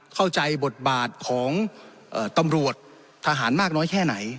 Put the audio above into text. เข้าใจบทบาทของตำรวจทหารมากน้อยแค่ไหน